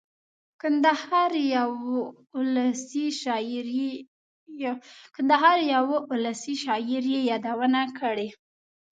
کندهار یوه اولسي شاعر یې یادونه کړې.